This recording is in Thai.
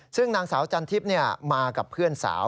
ซึ่งนางสาวจันทิพย์มากับเพื่อนสาว